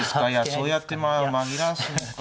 そうやって紛らわしいですか。